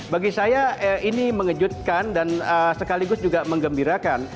bagi saya ini mengejutkan dan sekaligus juga mengembirakan